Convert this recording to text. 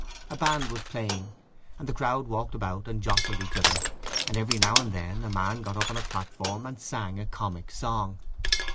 A band was playing, and the crowd walked about and jostled each other, and every now and then a man got upon a platform and sang a comic song.